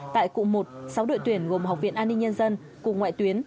tại cục một sáu đội tuyển gồm học viện an ninh nhân dân cục ngoại tuyến